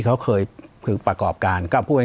ปากกับภาคภูมิ